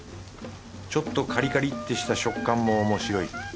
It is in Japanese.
ちょっとカリカリってした食感もおもしろい。